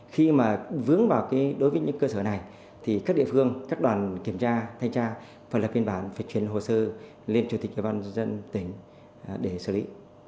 khi mà vướng vào đối với những cơ sở này thì các địa phương các đoàn kiểm tra thanh tra phải là kiên bản phải chuyển hồ sơ lên chủ tịch ủy ban dân tỉnh để xử lý